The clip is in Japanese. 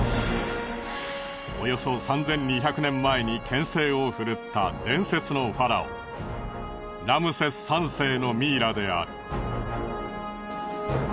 およそ３２００年前に権勢をふるった伝説のファラオラムセス３世のミイラである。